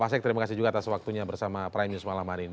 pak sek terima kasih juga atas waktunya bersama prime news malam hari ini